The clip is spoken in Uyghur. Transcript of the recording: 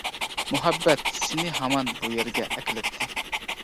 مۇھەببەت سېنى ھامان بۇ يەرگە ئەكېلەتتى.